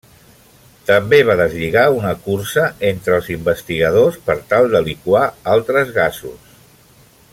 També va deslligar una cursa entre els investigadors per tal de liquar altres gasos.